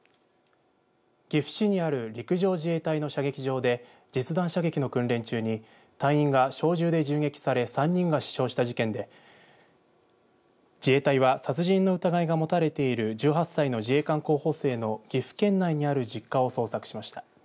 岐阜市にある陸上自衛隊の射撃場で実弾射撃の訓練中に隊員が小銃で銃撃され３人が死傷した事件で自衛隊は殺人の疑いが持たれている１８歳の自衛官候補生の岐阜県内にある実家を捜索しました。